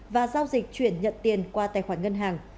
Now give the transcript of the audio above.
và giao dịch chuyển nhận tiền qua tài khoản ngân hàng